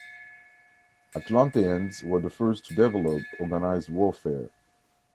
Atlanteans were the first to develop organized warfare.